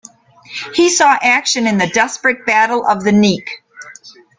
He saw action in the desperate Battle of the Nek.